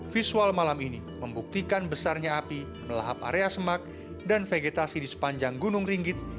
visual malam ini membuktikan besarnya api melahap area semak dan vegetasi di sepanjang gunung ringgit